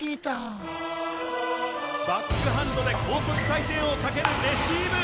バックハンドで高速回転をかけるレシーブ。